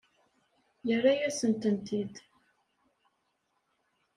Yerra-yasent-tent-id?